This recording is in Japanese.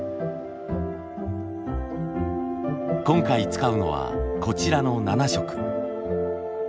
今回使うのはこちらの７色。